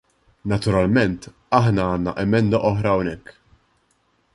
Naturalment aħna għandna emenda oħra hawnhekk.